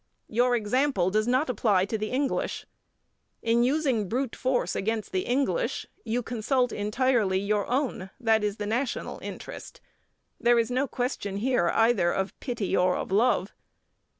Your example does not apply to the English. In using brute force against the English, you consult entirely your own, that is the national interest. There is no question here either of pity or of love.